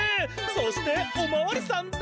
そしておまわりさんだ。